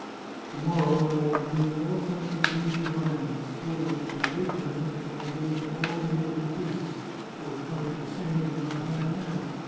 To morrow I will bring you all sorts of dainty viands, stolen from the great dinner which I am giving to all the neighbouring priests, who are coming to sing in my high mass.